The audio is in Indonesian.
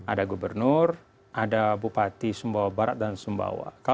ada gubernur ada bupati sumbawa barat dan sumbawa